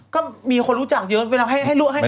ก็มีคนรู้จักเยอะเวลาให้ลูกให้